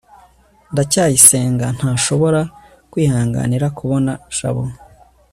ndacyayisenga ntashobora kwihanganira kubona jabo